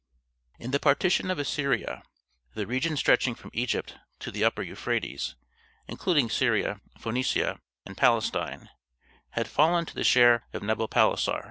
In the partition of Assyria, the region stretching from Egypt to the upper Euphrates, including Syria, Phoenicia, and Palestine, had fallen to the share of Nabopolassar.